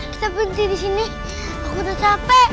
kita berhenti di sini aku udah capek